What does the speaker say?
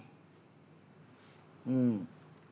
うん。